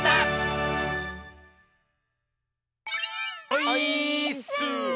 オイーッス！